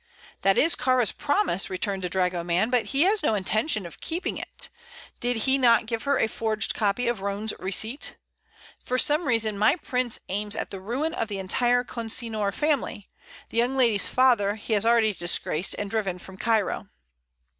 "That is Kāra's promise," returned the dragoman. "But he has no intention of keeping it. Did he not give her a forged copy of Roane's receipt? For some reason my prince aims at the ruin of the entire Consinor family. The young lady's father he has already disgraced and driven from Cairo."